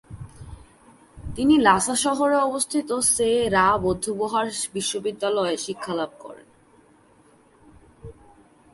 তিনি লাসা শহরে অবস্থিত সে-রা বৌদ্ধবহার বিশ্ববিদ্যালয়ে শিক্ষালাভ করেন।